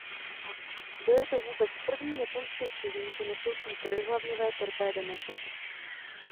Byly to vůbec první japonské křižníky nesoucí trojhlavňové torpédomety.